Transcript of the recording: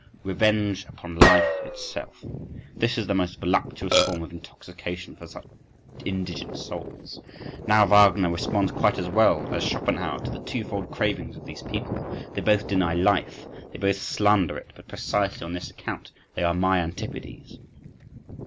Revenge upon life itself—this is the most voluptuous form of intoxication for such indigent souls!… Now Wagner responds quite as well as Schopenhauer to the twofold cravings of these people,—they both deny life, they both slander it but precisely on this account they are my antipodes.